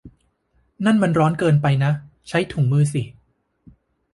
นั่นมันร้อนเกินไปนะ ! ใช้ถุงมือสิ !